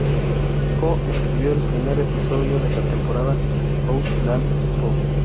Co-escribió el primer episodio de la temporada "Out Damn Spot".